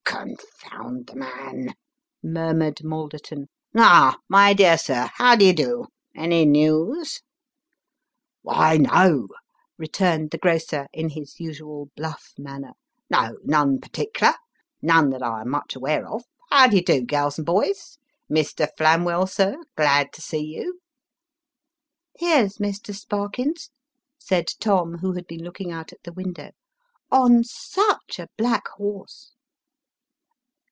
" Confound the man !" murmured Malderton. " Ah ! my dear sir, how d'ye do ! Any news ?"" Why no," returned the grocer, in his usual bluff manner. " No, none partickler. None that I am much aware of. How d'ye do, gals and boys ? Mr. Flamwell, sir glad to see you." " Here's Mr. Sparkins !" said Tom, who had been looking out at T 274 Sketches by Boz. the wiudow, " on such a black horse